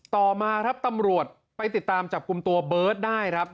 ต่อมาครับตำรวจไปติดตามจับกลุ่มตัวเบิร์ตได้ครับ